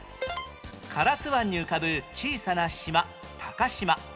唐津湾に浮かぶ小さな島高島